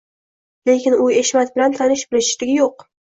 Lekin u Eshmat bilan tanish-bilishchiligi yo‘q.